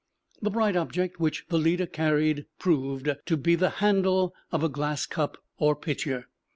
The bright object which the leader carried proved to be the handle of a glass cup or pitcher.